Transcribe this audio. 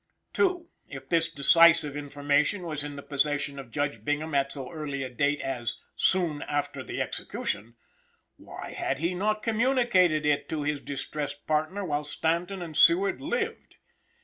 2. If this decisive information was in the possession of Judge Bingham at so early a date as "soon after the execution," why had he not communicated it to his distressed partner while Stanton and Seward lived?